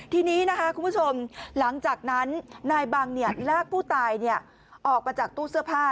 ทีนี้นะคะคุณผู้ชมหลังจากนั้นนายบังลากผู้ตายออกมาจากตู้เสื้อผ้า